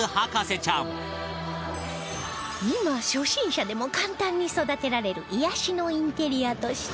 今初心者でも簡単に育てられる癒やしのインテリアとして